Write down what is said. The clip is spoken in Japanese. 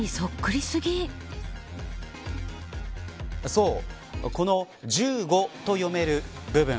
そう、この１５と読める部分